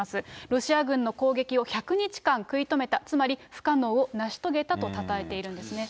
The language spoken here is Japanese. ロシア軍の攻撃を１００日間食い止めた、つまり、不可能を成し遂げたとたたえているんですね。